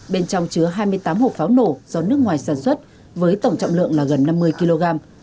bên trong chứa hai mươi tám hộp pháo nổ do nước ngoài sản xuất với tổng trọng lượng là gần năm mươi kg